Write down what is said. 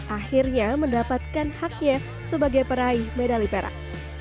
akhirnya mendapatkan haknya sebagai peraih medali perak